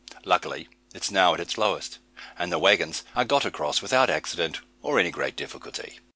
Luckily it is now at its lowest, and the waggons are got across without accident, or any great difficulty.